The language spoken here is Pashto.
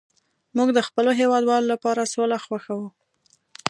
موږ د خپلو هیوادوالو لپاره سوله خوښوو